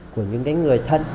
của những cái người thân